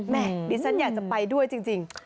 ดิฉันอยากจะไปด้วยจริง